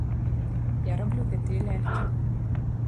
Я раблю гэтыя лялькі.